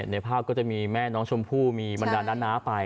ในภาพก็จะมีแม่น้องชมพู่มีบรรดาน้าไป